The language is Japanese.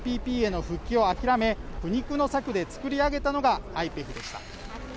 そのためＴＰＰへの復帰を諦め苦肉の策で作り上げたのがＩＰＥＦでした